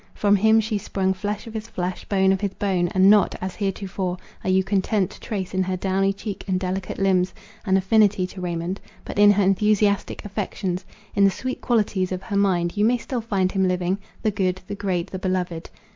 From him she sprung, flesh of his flesh, bone of his bone—and not, as heretofore, are you content to trace in her downy cheek and delicate limbs, an affinity to Raymond, but in her enthusiastic affections, in the sweet qualities of her mind, you may still find him living, the good, the great, the beloved.